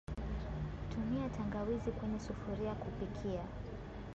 Tumia tangawizi kwenye sufuria kupikia